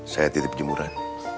saya titip jemuran